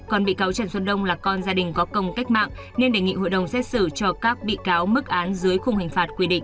còn bị cáo trần xuân đông là con gia đình có công cách mạng nên đề nghị hội đồng xét xử cho các bị cáo mức án dưới khung hình phạt quy định